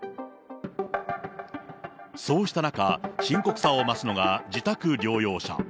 そうした中、深刻さを増すのが自宅療養者。